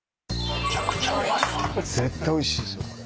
絶対おいしいですよこれ。